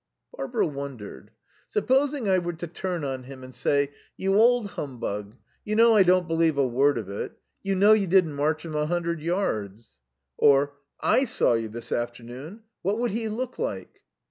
Barbara wondered: "Supposing I were to turn on him and say, 'You old humbug, you know I don't believe a word of it. You know you didn't march them a hundred yards.' Or 'I saw you this afternoon.' What would he look like?"